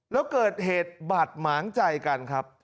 แล้วเกิดเหตุบาดหมางใจกันครับ